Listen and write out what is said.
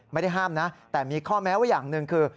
ไม่ได้ห้ามนะแต่มีข้อแม้ว่าอย่างหนึ่งคือ